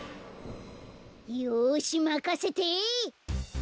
よしまかせて！